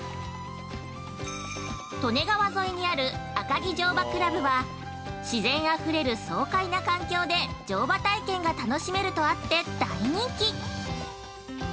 ◆利根川沿いにある赤城乗馬クラブは、自然あふれる爽快な環境で乗馬体験が楽しめるとあって大人気。